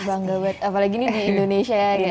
apalagi ini di indonesia